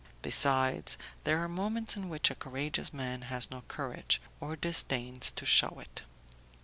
Besides, there are moments in which a courageous man has no courage, or disdains to shew it.